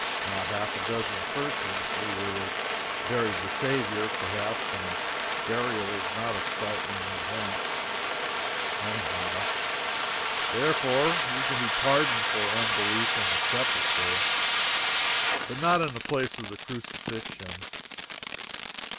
Not half a dozen persons knew where they buried the Saviour, perhaps, and a burial is not a startling event, any how; therefore, we can be pardoned for unbelief in the Sepulchre, but not in the place of the Crucifixion.